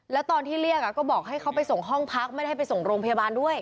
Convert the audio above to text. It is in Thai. แล้วตอนที่เรียกก็บอกให้เขาไปส่งห้องพักไม่ได้ไปส่งโรงพยาบาลด้วย